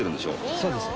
そうですね。